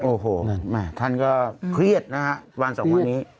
โอ้โหท่านก็เครียดนะฮะวันสองวันนี้